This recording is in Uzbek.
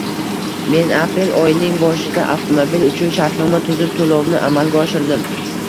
Men aprel oyining boshida avtomobil uchun shartnoma tuzib, to’lovni amalga oshirdim.